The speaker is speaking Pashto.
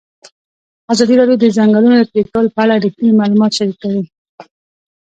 ازادي راډیو د د ځنګلونو پرېکول په اړه رښتیني معلومات شریک کړي.